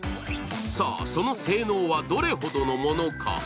さあ、その性能はどれほどのものか。